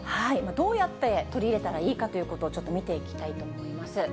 どうやって取り入れたらいいかということを、ちょっと見ていきたいと思います。